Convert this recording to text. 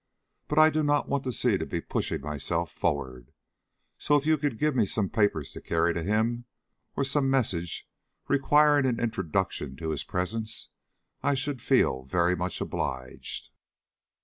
"But I do not want to seem to be pushing myself forward; so if you could give me some papers to carry to him, or some message requiring an introduction to his presence, I should feel very much obliged."